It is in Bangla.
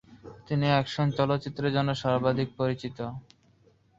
তিনি অ্যাকশন চলচ্চিত্রের জন্য সর্বাধিক পরিচিত।